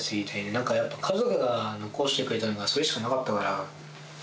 なんかやっぱ家族が残してくれたのが、それしかなかったから。